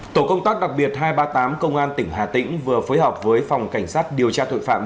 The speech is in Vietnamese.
tổ công tác đặc biệt hai trăm ba mươi tám công an tỉnh hà tĩnh vừa phối hợp với phòng cảnh sát điều tra tội phạm